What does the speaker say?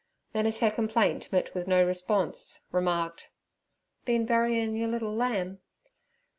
Then, as her complaint met with no response, remarked, 'Been buryin' yer liddle lamb?'